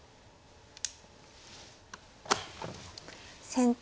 先手